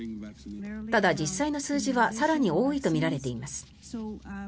ただ、実際の数字は更に多いとみられています。